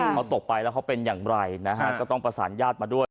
เขาตกไปแล้วเขาเป็นอย่างไรนะฮะก็ต้องประสานญาติมาด้วย